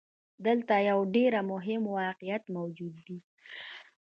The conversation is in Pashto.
دلته يو ډېر مهم واقعيت موجود دی.